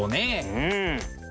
うん。